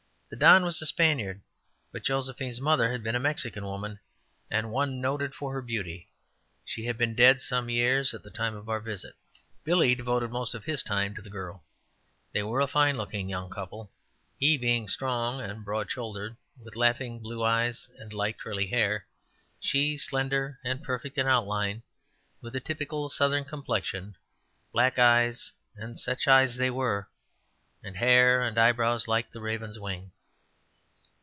The Don was a Spaniard, but Josephine's mother had been a Mexican woman, and one noted for her beauty. She had been dead some years at the time of our visit. Billy devoted most of his time to the girl. They were a fine looking young couple, he being strong and broad shouldered, with laughing blue eyes and light curly hair, she slender and perfect in outline, with a typical Southern complexion, black eyes and such eyes they were and hair and eyebrows like the raven's wing.